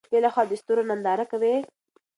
ایا ته کله د شپې له خوا د ستورو ننداره کوې؟